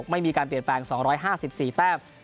ไม่มีการเปลี่ยนแปลง๒๕๔แต้ม